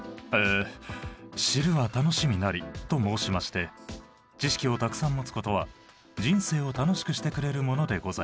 知るは楽しみなりと申しまして知識をたくさん持つことは人生を楽しくしてくれるものでございます。